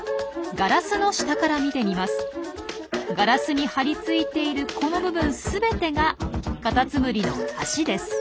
ガラスに張り付いているこの部分全てがカタツムリの足です。